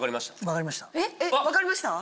分かりました？